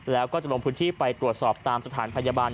แล้วก็จะลงพื้นที่ไปตรวจสอบตามสถานพยาบาล